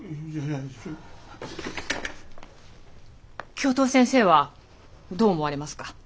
教頭先生はどう思われますか？